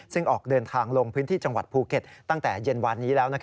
ซึ่งออกเดินทางลงพื้นที่จังหวัดภูเก็ตตั้งแต่เย็นวานนี้แล้ว